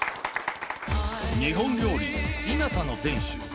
日本料理稲茶の店主